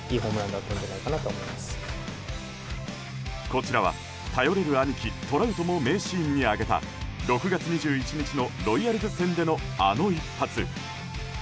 こちらは頼れる兄貴トラウトも名シーンに挙げた６月２１日のロイヤルズ戦でのあの一発。